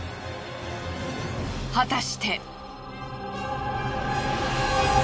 果たして。